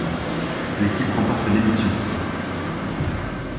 L'équipe remporte l'émission.